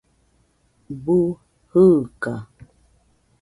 Bu jɨɨka